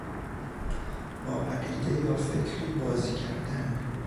با عقیده یا فکری بازی کردن